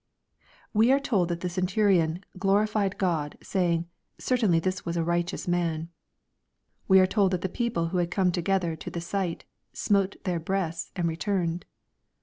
We are told that the centurion " glo rified God, saying, Certainly this was a righteous man." We are told that the people who had come together to the sight, " smote their breasts and returned."